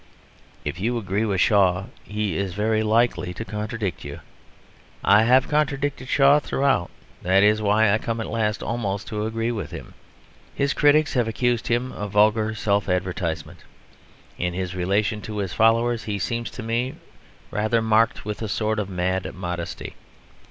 If you agree with Shaw he is very likely to contradict you; I have contradicted Shaw throughout, that is why I come at last almost to agree with him. His critics have accused him of vulgar self advertisement; in his relation to his followers he seems to me rather marked with a sort of mad modesty.